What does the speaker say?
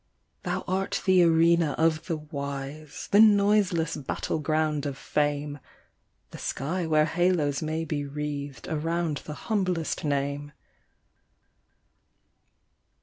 Thou art the arena of the wise, The noiseless battle ground of fame; The sky where halos may be wreathed Around the humblest name.